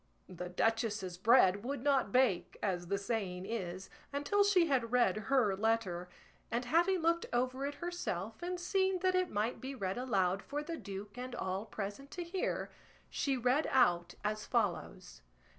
The duchess's bread would not bake, as the saying is, until she had read her letter; and having looked over it herself and seen that it might be read aloud for the duke and all present to hear, she read out as follows.